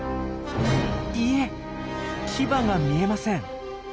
いえ牙が見えません。